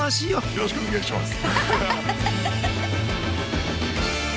よろしくお願いします。